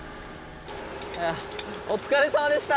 お疲れさまでした！